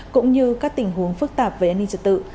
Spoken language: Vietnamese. cũng như các tình huống phức tạp về an ninh trật tự